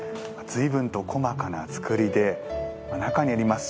ずいぶんと細かな作りで中にあります